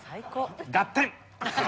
ガッテン！